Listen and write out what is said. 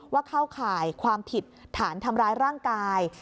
เข้าข่ายความผิดฐานทำร้ายร่างกาย